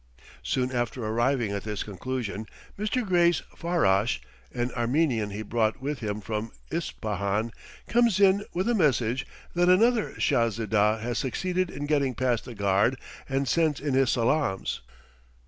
Soon after arriving at this conclusion, Mr. Gray's farrash, an Armenian he brought with him from Ispahan, comes in with a message that another Shahzedah has succeeded in getting past the guard and sends in his salaams.